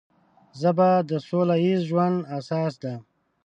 ژبه د سوله ییز ژوند اساس ده